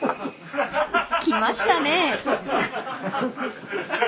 ［きましたね］